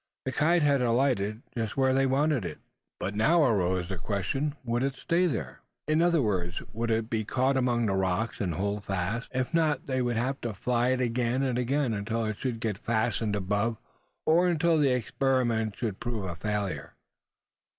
The kite had alighted, just where they wanted it. But now arose the question would it stay there? In other words, would it be caught among the rocks, and hold fast? If not, they would have to fly it again and again, until it should get fastened above, or until the experiment should prove a failure.